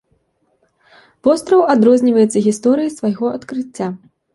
Востраў адрозніваецца гісторыяй свайго адкрыцця.